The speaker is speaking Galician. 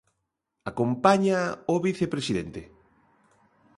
Acompáñaa o vicepresidente.